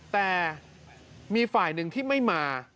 แต่มีฝ่ายหนึ่งที่ไม่มา